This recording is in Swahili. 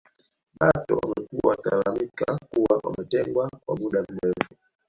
Batwa wamekuwa wakilalamika kuwa wametengwa kwa muda mrefu